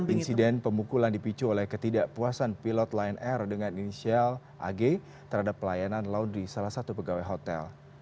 insiden pemukulan dipicu oleh ketidakpuasan pilot lion air dengan inisial ag terhadap pelayanan laut di salah satu pegawai hotel